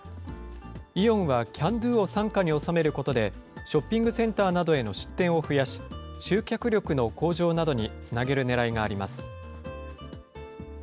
イオンはキャンドゥを傘下に収めることで、ショッピングセンターなどへの出店を増やし、集客力の向上などにつなげるねらいがあります。